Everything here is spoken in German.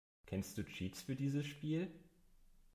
Kennst du Cheats für dieses Spiel?